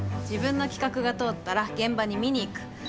自分の企画が通ったら現場に見に行く。